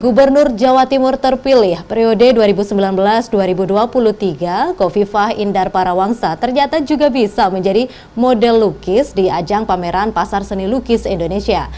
gubernur jawa timur terpilih periode dua ribu sembilan belas dua ribu dua puluh tiga kofifah indar parawangsa ternyata juga bisa menjadi model lukis di ajang pameran pasar seni lukis indonesia